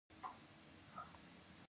ایا زه باید ماشوم ته مالګه ورکړم؟